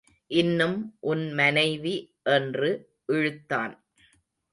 இன்னும் உன் மனைவி என்று இழுத்தான்.